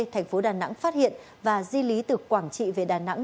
thành phố đà nẵng phát hiện và di lý từ quảng trị về đà nẵng